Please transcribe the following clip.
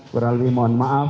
kurang lebih mohon maaf